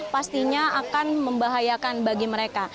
pastinya akan membahayakan bagi mereka